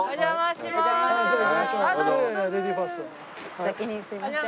お先にすみません。